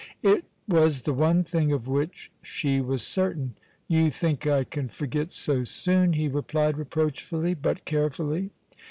It was the one thing of which she was certain. "You think I can forget so soon," he replied reproachfully, but carefully.